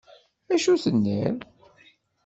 Acu tenniḍ?